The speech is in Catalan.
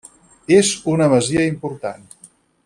És una masia important.